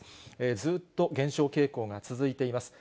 ずっと減少傾向が続いています。